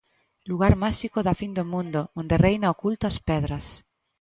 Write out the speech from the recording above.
Lugar máxico da fin do mundo onde reina o culto ás pedras.